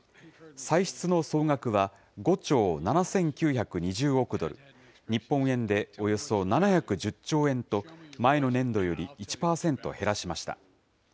歳出の総額は、５兆７９２０億ドル、日本円でおよそ７１０兆円と、前の年度より１％減らしました。